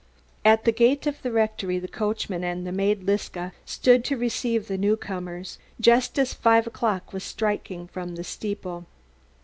At the gate of the rectory the coachman and the maid Liska stood to receive the newcomers, just as five o'clock was striking from the steeple.